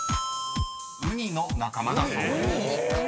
［ウニの仲間だそうです］